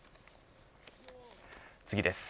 次です。